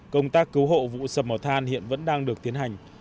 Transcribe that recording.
công tác cứu hộ vụ sập mỏ than hiện vẫn đang được tiến hành